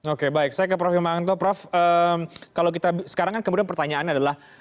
oke baik saya ke prof imang anto prof sekarang kan kemudian pertanyaannya adalah